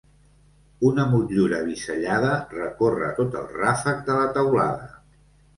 Una motllura bisellada recorre tot el ràfec de la teulada.